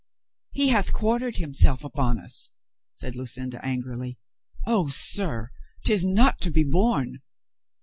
"He hath quartered himself upon us," said Lu cinda angrily. "Oh, sir, 'tis not to be borne.